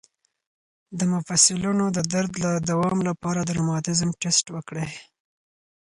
د مفصلونو د درد د دوام لپاره د روماتیزم ټسټ وکړئ